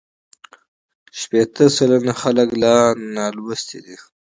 شپېته سلنه خلک لا نالوستي دي.